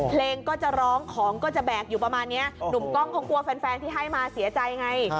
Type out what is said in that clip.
เพลงก็จะร้องของก็จะแบกอยู่ประมาณนี้หนุ่มกล้องเขากลัวแฟนที่ให้มาเสียใจไง